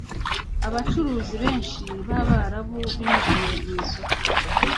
abacuruzi benshi b’Abarabu binjiye mu isoko